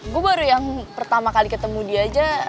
gue baru yang pertama kali ketemu dia aja